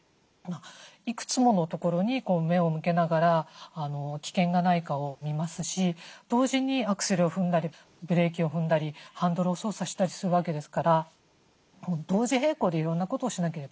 いくつものところに目を向けながら危険がないかを見ますし同時にアクセルを踏んだりブレーキを踏んだりハンドルを操作したりするわけですから同時並行でいろんなことをしなければいけない。